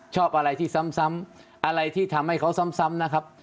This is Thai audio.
ชอบอะไรที่ซ้ำอะไรที่ทำให้เขาซ้ำนะครับ